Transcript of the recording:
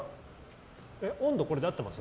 温度これで合ってます？